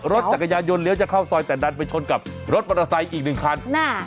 รถจักรยานยนต์เลี้ยวจะเข้าซอยแต่ดันไปชนกับรถมอเตอร์ไซค์อีกหนึ่งคัน